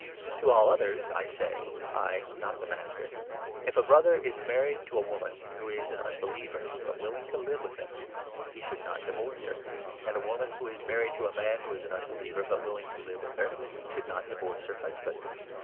To all others I say — I, ii with not the Master :— If a Brother is married to a unbelievers. WOman, who is an unbeliever but willing to live with him, he should not divorce her; and a woman who is i^ married to a man, who is an unbeliever but willing to live with her, should not divorce her husband.